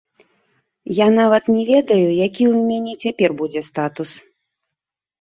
Я нават не ведаю, які у мяне цяпер будзе статус.